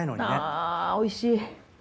あぁおいしい。